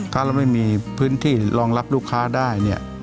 ถ้าเราไม่มีพื้นที่รองรับลูกค้าได้เนี่ย